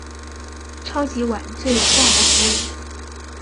超级碗最有价值球员。